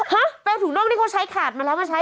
ฮะแมวถุงนอกนี่เขาใช้ขาดมาแล้วมาใช้